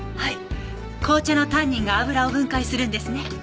紅茶のタンニンが油を分解するんですね。